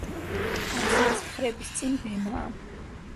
აფსიდის მხრების წინ ბემაა.